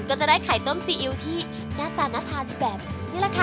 ก็จะได้ไข่ต้มซีอิ๊วที่หน้าตาน่าทานแบบนี้นี่แหละค่ะ